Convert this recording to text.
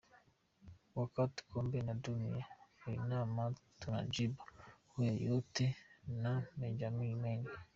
Wakati Kombe la Dunia linaanza tunajibu hayo yote na mengine mengi.